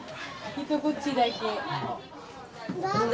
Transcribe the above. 一口だけ。